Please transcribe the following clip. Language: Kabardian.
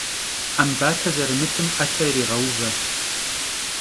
'embate zerımıtım 'ete yirêğeuve.